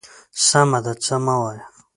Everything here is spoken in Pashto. _سمه ده، څه مه وايه.